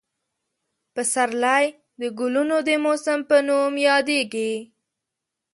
پسرلی د ګلونو د موسم په نوم یادېږي.